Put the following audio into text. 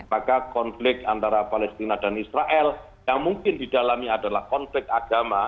maka konflik antara palestina dan israel yang mungkin didalami adalah konflik agama